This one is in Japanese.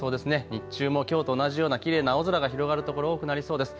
日中もきょうと同じようなきれいな青空が広がる所、多くなりそうです。